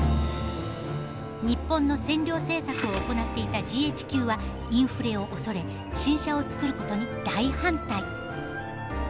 日本の占領政策を行っていたＧＨＱはインフレを恐れ新車を作ることに大反対。